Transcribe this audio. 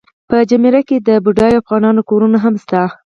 په جمیره کې د بډایو افغانانو کورونه هم شته.